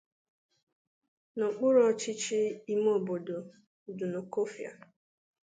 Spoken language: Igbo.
n'okpuru ọchịchị ime obodo Dunukọfịa.